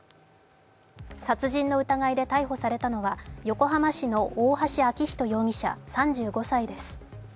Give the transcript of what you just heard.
殺人の疑いで逮捕されたのは横浜市の大橋昭仁容疑者、３５歳です